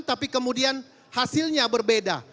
tapi kemudian hasilnya berbeda